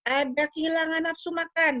ada kehilangan nafsu makan